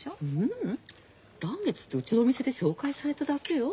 ううん嵐月ってうちのお店で紹介されただけよ。